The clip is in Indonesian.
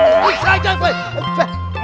ih kaya jempol